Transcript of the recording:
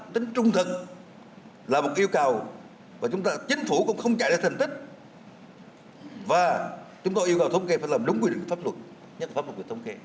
tính trung thực là một yêu cầu và chúng phủ cũng không chạy ra thành tích và chúng tôi yêu cầu thống kê phải làm đúng quy định của pháp luật nhất là pháp luật về thông kê